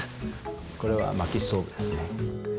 これはまきストーブですね。